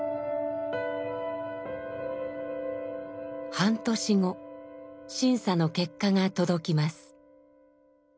半年後審査の結果が届きます。